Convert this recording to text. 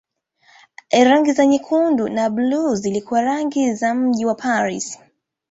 Rangi za nyekundu na buluu zilikuwa rangi za mji wa Paris.